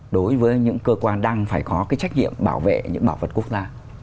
đối với những cơ quan đang phải có cái trách nhiệm bảo vệ những bảo vật quốc tế này